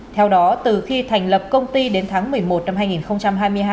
theo đó từ khi thành lập công ty đến tháng một mươi một năm hai nghìn hai mươi hai